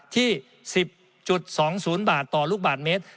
ที่๑๐๒๐บาทต่อลูกบาทเมตร